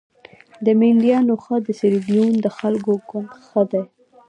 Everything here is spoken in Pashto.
د مینډیانو ښه د سیریلیون د خلکو ګوند ښه دي.